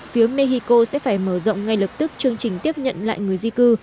phía mexico sẽ phải mở rộng ngay lập tức chương trình tiếp nhận lại người di cư